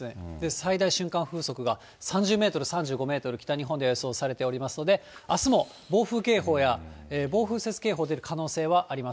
最大瞬間風速が３０メートル、３５メートル、北日本では予想されていますので、あすも暴風警報や暴風雪警報が出る可能性があります。